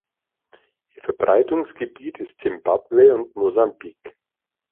Ihr Verbreitungsgebiet ist Simbabwe und Mosambik.